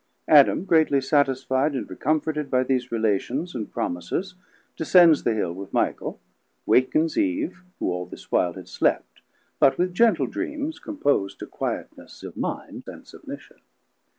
Adam greatly satisfied and recomforted by these Relations and Promises descends the Hill with Michael; wakens Eve, who all this while had slept, but with gentle dreams compos'd to quietness of mind and submission.